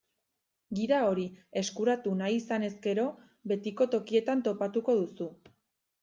Gida hori eskuratu nahi izanez gero, betiko tokietan topatuko duzu.